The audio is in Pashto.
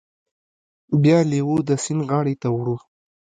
بیا لیوه د سیند غاړې ته وړو.